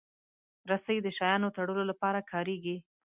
رسۍ د شیانو تړلو لپاره کارېږي.